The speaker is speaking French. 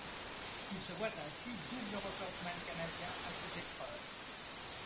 Il se voit ainsi double recordman canadien à ces épreuves.